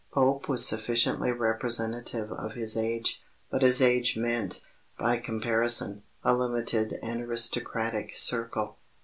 Pope was sufficiently representative of his age, but his age meant, by comparison, a limited and aristocratic circle.